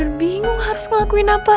gue bener bener bingung harus ngelakuin apa